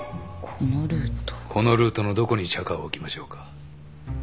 このルートのどこにチャカを置きましょうか？